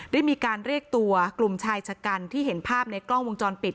ได้มีการเรียกตัวกลุ่มชายชะกันที่เห็นภาพในกล้องวงจรปิด